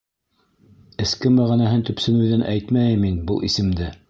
Эске мәғәнәһен төпсөнөүҙән әйтмәйем мин был исемде.